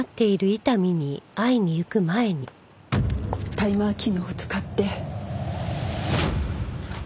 タイマー機能を使って。